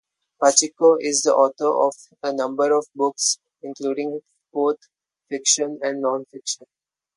Pacheco is the author of a number of books, including both, fiction and non-fiction.